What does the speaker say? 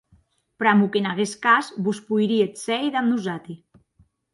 Pr'amor qu'en aguest cas vos poiríetz sèir damb nosati.